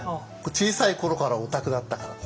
小さい頃からオタクだったからで。